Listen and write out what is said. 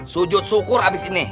sujud syukur abis ini